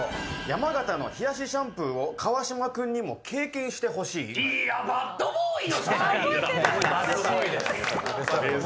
山形の冷やしシャンプーを川島君にも体験してもらいたい。